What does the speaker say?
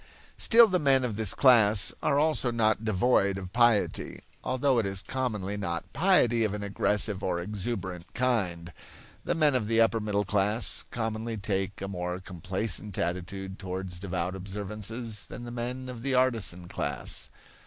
Still the men of this class are also not devoid of piety, although it is commonly not piety of an aggressive or exuberant kind. The men of the upper middle class commonly take a more complacent attitude towards devout observances than the men of the artisan class.